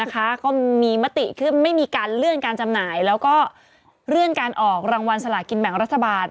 ก็มีมติขึ้นไม่มีการเลื่อนการจำหน่ายแล้วก็เลื่อนการออกรางวัลสลากินแบ่งรัฐบาล